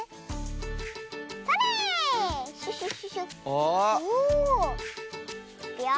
おお。いくよ。